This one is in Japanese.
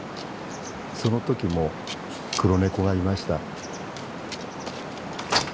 その時も黒ネコがいました。